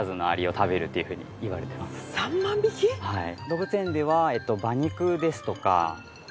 はい。